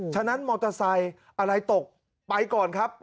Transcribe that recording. ฉะนั้นมอเตอร์ไซค์อะไรตกไปก่อนครับ